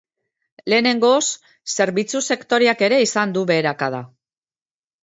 Lehenengoz, zerbitzu-sektoreak ere izan du beherakada.